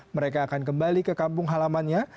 mereka akan kembali ke kampung halamannya